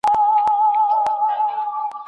او نورو ته الهام ورکړئ.